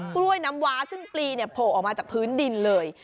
กล้วยน้ำว้าซึ่งปลีเนี่ยโผล่ออกมาจากพื้นดินเลย